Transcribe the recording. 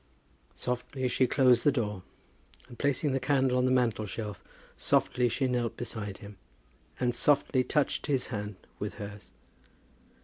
Softly she closed the door, and placing the candle on the mantel shelf, softly she knelt beside him, and softly touched his hand with hers.